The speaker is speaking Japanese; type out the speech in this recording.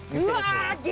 うわ。